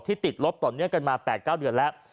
ติดลบต่อเนื่องกันมา๘๙เดือนแล้ว